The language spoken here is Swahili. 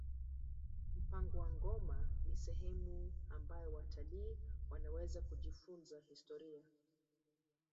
mapango ya nongoma ni sehemu ambayo watalii wanaweza kujifunza historia